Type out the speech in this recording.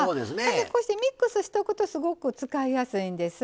こうしてミックスしておくとすごく使いやすいんです。